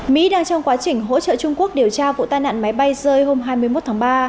mỹ đang trong quá trình hỗ trợ trung quốc điều tra vụ tai nạn máy bay rơi hôm hai mươi một tháng ba